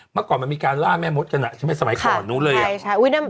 เมื่อก่อนมันมีการล่าแม่มศกันอะ